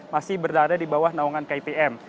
masih berada di bawah naungan kipm